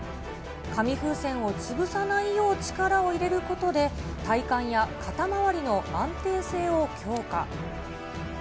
紙風船を潰さないよう力を入れることで、体幹や肩回りの安定性を強化。